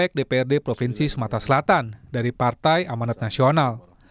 arief menerima pilihan dari provinsi sumata selatan dari partai amanat nasional